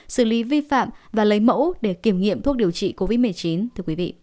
xử lý vi phạm và lấy mẫu để kiểm nghiệm thuốc điều trị covid một mươi chín